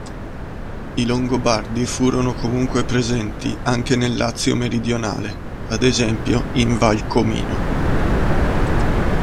I longobardi furono comunque presenti anche nel Lazio meridionale, ad esempio in Val Comino.